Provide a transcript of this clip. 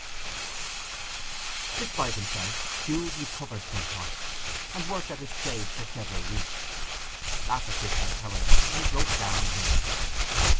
X Despite himself Jude recovered somewhat, and worked at his trade for several weeks. After Christmas, however, he broke down again.